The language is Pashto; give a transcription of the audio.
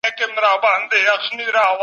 د هر سي پيدا کوونکی الله ج دی.